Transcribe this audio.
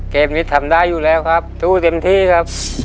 เกมนี้ทำได้อยู่แล้วครับสู้เต็มที่ครับ